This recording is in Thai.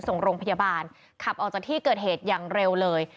ส่งโรงพยาบาลขับออกจากที่เกิดเหตุอย่างเร็วเลย